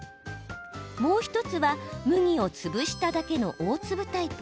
もう１つは、麦を潰しただけの大粒タイプ。